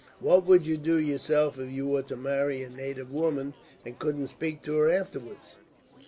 What would you do, yourself, if you were to marry a native woman, and couldn't speak to her afterwards."